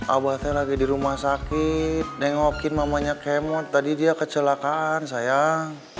abah teh lagi di rumah sakit neng ngokin mamanya kemot tadi dia kecelakaan sayang